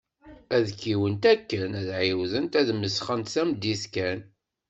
Ad kiwent akken ad ɛiwdent ad mesxent tameddit kan.